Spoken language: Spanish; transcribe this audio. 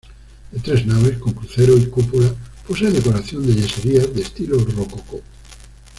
De tres naves, con crucero y cúpula, posee decoración de yeserías de estilo rococó.